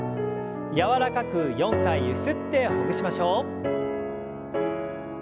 柔らかく４回ゆすってほぐしましょう。